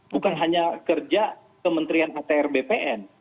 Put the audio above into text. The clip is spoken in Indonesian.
bukan hanya kerja kementerian atr bpn